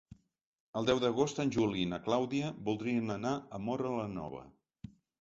El deu d'agost en Juli i na Clàudia voldrien anar a Móra la Nova.